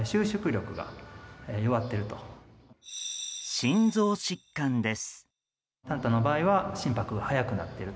心臓疾患です。